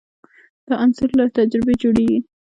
دا انځور له تجربې جوړېږي.